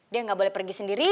dia nggak boleh pergi sendiri